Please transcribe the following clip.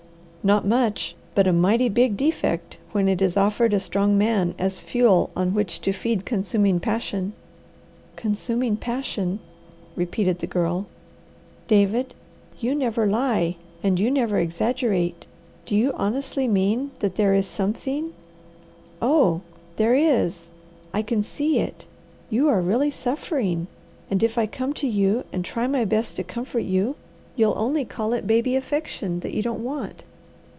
Not much, but a mighty big defect when it is offered a strong man as fuel on which to feed consuming passion." "Consuming passion," repeated the Girl. "David you never lie, and you never exaggerate. Do you honestly mean that there is something oh, there is! I can see it! You are really suffering, and if I come to you, and try my best to comfort you, you'll only call it baby affection that you don't want.